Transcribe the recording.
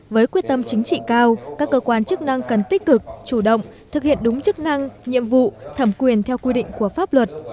với quyết tâm chính trị cao các cơ quan chức năng cần tích cực chủ động thực hiện đúng chức năng nhiệm vụ thẩm quyền theo quy định của pháp luật